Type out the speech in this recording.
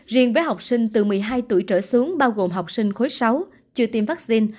riêng với học sinh từ một mươi hai tuổi trở xuống bao gồm học sinh khối sáu chưa tiêm vaccine